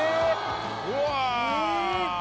うわ！